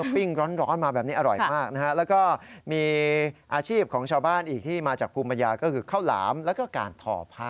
๒แผ่น๒๐บาท